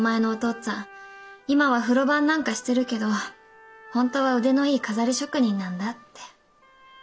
っつぁん今は風呂番なんかしてるけど本当は腕のいい錺職人なんだって。